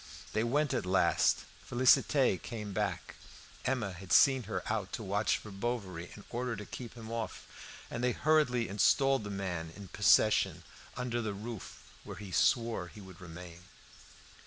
They went at last. Félicité came back. Emma had sent her out to watch for Bovary in order to keep him off, and they hurriedly installed the man in possession under the roof, where he swore he would remain.